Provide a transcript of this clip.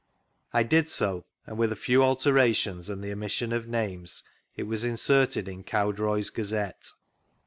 I did so, and with a few alterations and the omission of names it was inserted in Cowdroy's Gazette.